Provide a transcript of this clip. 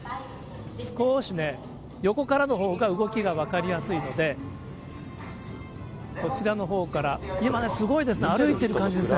少しね、横からのほうが動きが分かりやすいので、こちらのほうから、今ね、すごいですね、歩いてる感じですね。